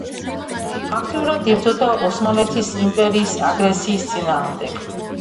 აქტიურად იბრძოდა ოსმალეთის იმპერიის აგრესიის წინააღმდეგ.